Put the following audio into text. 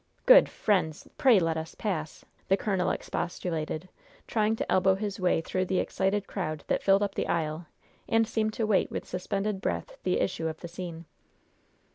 "Good friends! Pray let us pass!" the colonel expostulated, trying to elbow his way through the excited crowd that filled up the aisle, and seemed to wait with suspended breath the issue of the scene.